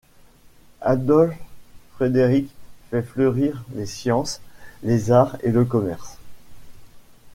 Adolphe-Frédéric fait fleurir les sciences, les arts et le commerce.